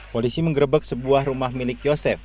polisi menggerebek sebuah rumah milik yosef